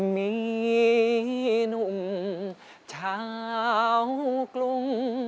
มีนุ่งช้าวกลุ้ง